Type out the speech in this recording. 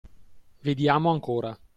Vediamo ancora!